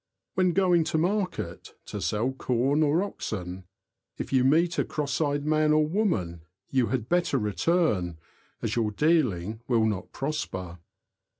When going to market, to sell corn or oxen, if you meet a cross eyed man or woman you had better return, as your dealing will not prosper.